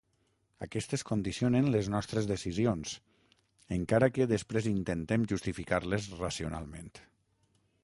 Aquestes condicionen les nostres decisions, encara que després intentem justificar-les racionalment.